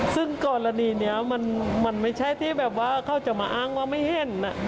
ซึ่งกรณีนี้มันไม่ใช่ที่แบบว่าเขาจะมาอ้างว่าไม่เห็น